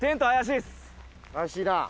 怪しいなあ